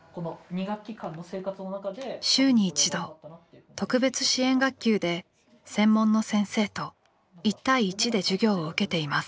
週に一度特別支援学級で専門の先生と一対一で授業を受けています。